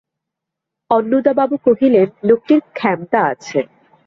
অন্নদাবাবু কহিলেন, লোকটির ক্ষমতা আছে।